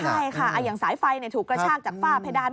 ใช่ค่ะอย่างสายไฟถูกกระชากจากฝ้าเพดาน